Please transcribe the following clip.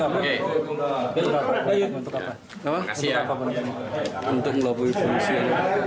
terima kasih ya